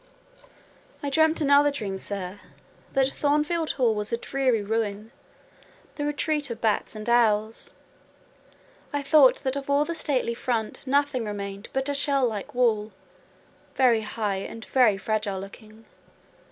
"I dreamt another dream, sir: that Thornfield Hall was a dreary ruin, the retreat of bats and owls. I thought that of all the stately front nothing remained but a shell like wall, very high and very fragile looking.